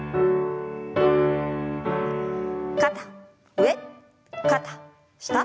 肩上肩下。